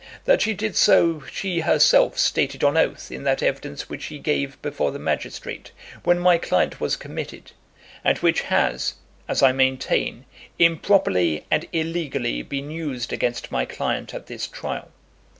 That she did so she herself stated on oath in that evidence which she gave before the magistrate when my client was committed, and which has, as I maintain, improperly and illegally been used against my client at this trial."